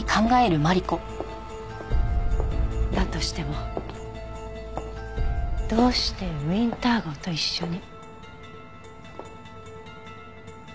だとしてもどうしてウィンター号と一緒に。